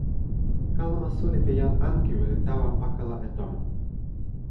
kalama suli pi jan Ankewi li tawa pakala e tomo.